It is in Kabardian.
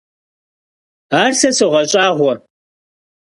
Ар сэ согъэщӏагъуэ.